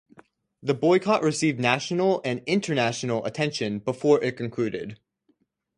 The boycott received national and international attention before it concluded.